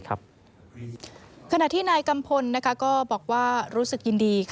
ขณะที่นายกัมพลก็บอกว่ารู้สึกยินดี